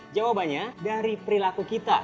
jawabannya dari perilaku kita